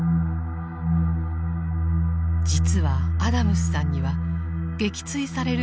実はアダムスさんには撃墜される